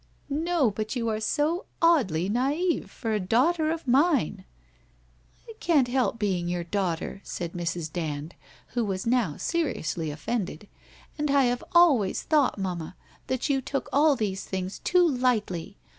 ' ~No, but you are so oddly naive, for a daughter of mine.' ' I can't help being your daughter,' said Mrs. Dand, who was now seriously offended, ' and I have always thought, mamma, that you took all these things too lightly.